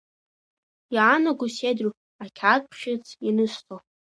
Иаанаго сеидру ақьаадбӷьыц ианысҵо…